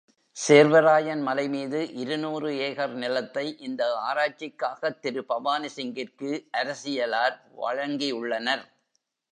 சேர்வராயன் மலைமீது இருநூறு ஏகர் நிலத்தை, இந்த ஆராய்ச்சிக்காகத் திரு பவானி சிங்கிற்கு அரசியலார் வழங்கியுள்ளனர்.